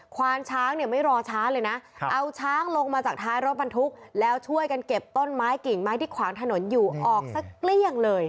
ควานช้างเนี่ยไม่รอช้าเลยนะเอาช้างลงมาจากท้ายรถบรรทุกแล้วช่วยกันเก็บต้นไม้กิ่งไม้ที่ขวางถนนอยู่ออกสักเกลี้ยงเลย